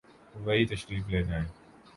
وہی تشریف لے جائیں۔